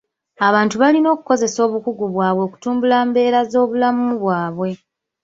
Abantu balina okukozesa obukugu bwabwe okutumbula mbeera z'obulamu bwabwe.